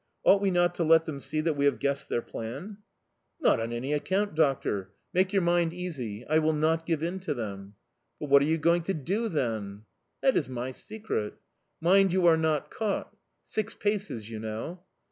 Ought we not to let them see that we have guessed their plan?" "Not on any account, doctor! Make your mind easy; I will not give in to them." "But what are you going to do, then?" "That is my secret." "Mind you are not caught... six paces, you know!"